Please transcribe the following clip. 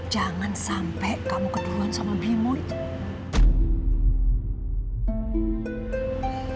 jangan sampai kamu keturuan sama bimo itu